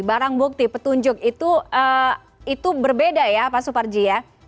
barang bukti petunjuk itu berbeda ya pak suparji ya